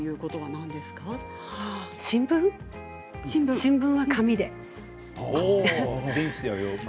新聞は紙で。